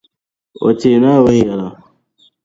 O teei Naawuni yɛla.